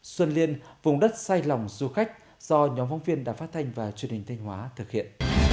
xuân liên vùng đất sai lòng du khách do nhóm phóng viên đã phát thanh và truyền hình thanh hóa thực hiện